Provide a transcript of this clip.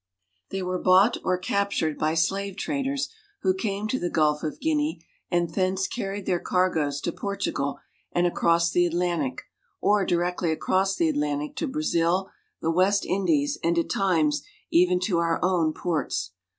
They were 192 P bought or captured by slave traders who came to the Gulf I of Guinea and thence carried their cargoes to Portugal ^^H and across the Atlantic, or directly across the Atlantic to ^^B Brazil, the West Indies, and, at times, even to our own ^^H ports.